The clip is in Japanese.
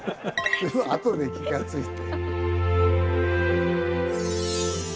あとで気が付いて。